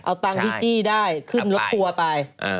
เอาตังค์ที่จี้ได้ขึ้นรถทัวร์ไป